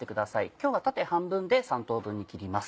今日は縦半分で３等分に切ります。